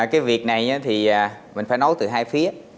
cái việc này thì mình phải nói từ hai phía